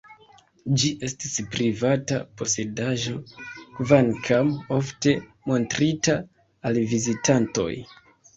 Ĝi estis privata posedaĵo, kvankam ofte montrita al vizitantoj.